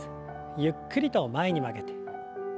ゆっくりと前に曲げて。